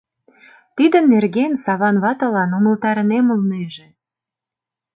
Тидын нерген Саван ватылан умылтарынем улнеже.